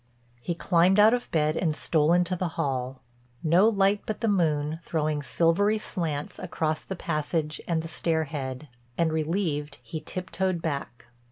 He climbed out of bed and stole into the hall. No light but the moon, throwing silvery slants across the passage and the stair head, and relieved, he tiptoed back.